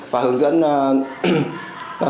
và hướng dẫn